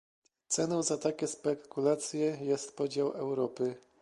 Ceną za takie spekulacje jest podział Europy